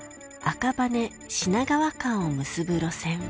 赤羽品川間を結ぶ路線。